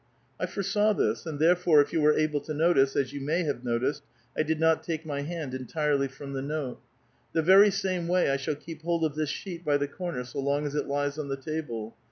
'* I foresaw this, and therefore, if you were able to notice, as you may have noticed, I did not take my hand entirely from the note. The very same way I shall keep hold of this sheet by the corner so long as it lies on the table.